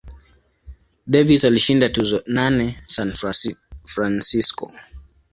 Davis alishinda tuzo nane San Francisco.